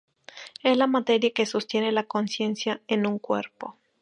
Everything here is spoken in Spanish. Es la materia que sostiene la conciencia en un cuerpo.